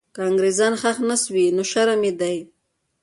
که انګریزان ښخ نه سوي، نو شرم یې دی.